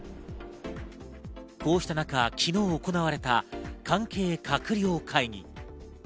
こうした中、昨日行われた関係閣僚会議。